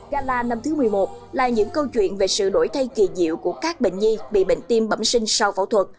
gala năm thứ một mươi một là những câu chuyện về sự đổi thay kỳ diệu của các bệnh nhi bị bệnh tim bẩm sinh sau phẫu thuật